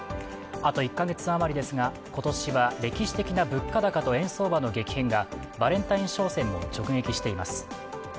あと１か月あまりですが今年は歴史的な物価高と円相場の激変がバレンタイン商戦も直撃しています。